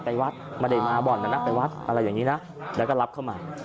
ไปวัดมาเด่นบ่อนเอาไปวัดอย่างนี้นะแล้วก็รับเข้ามา